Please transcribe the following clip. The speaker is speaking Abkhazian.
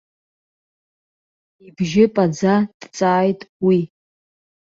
Ибжьы паӡа дҵааит уи.